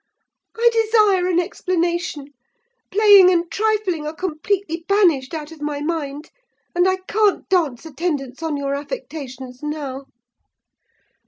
I desire an explanation: playing and trifling are completely banished out of my mind; and I can't dance attendance on your affectations now!"